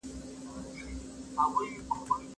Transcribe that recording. ته باید تل د نويو ګلانو پالنه وکړې.